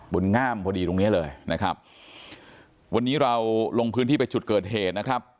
ง่ามพอดีตรงเนี้ยเลยนะครับวันนี้เราลงพื้นที่ไปจุดเกิดเหตุนะครับ